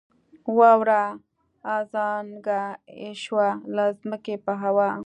واوره ازانګه یې شوه له ځمکې په هوا